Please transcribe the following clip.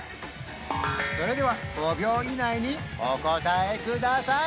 それでは５秒以内にお答えください